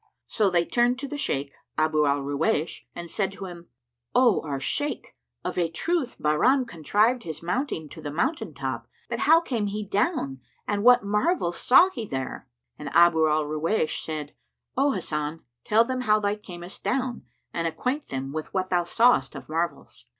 So they turned to the Shaykh, Abu al Ruwaysh and said to him, "O our Shaykh, of a truth Bahram contrived his mounting to the mountaintop; but how came he down and what marvels saw he there?" And Abu al Ruwaysh said, "O Hasan, tell them how thou camest down and acquaint them with what thou sawest of marvels."